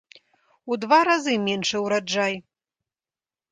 У два разы меншы ўраджай.